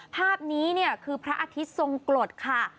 ภาพนี้เนี่ยคือพระอาทิตย์ทรงกรดค่ะ